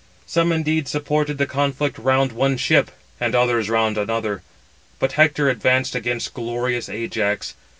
Some indeed supported the conflict round one ship, and others round another, but Hector advanced against glorious Ajax.